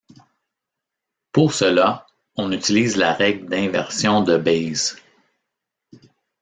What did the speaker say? Pour cela, on utilise la règle d'inversion de Bayes.